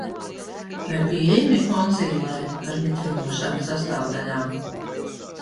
Vai pieejami konsīleri ar mitrinošām sastāvdaļām?